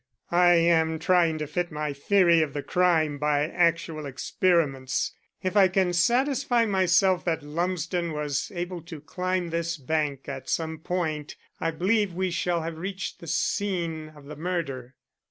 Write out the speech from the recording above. "I am trying to fit in my theory of the crime by actual experiments. If I can satisfy myself that Lumsden was able to climb this bank at some point I believe we shall have reached the scene of the murder."